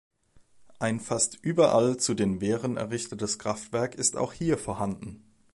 Ein fast überall zu den Wehren errichtetes Kraftwerk ist auch hier vorhanden.